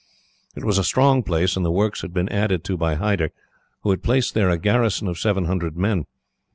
It was a strong place, and the works had been added to by Hyder, who had placed there a garrison of seven hundred men.